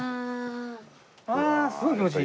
ああすごい気持ちいい。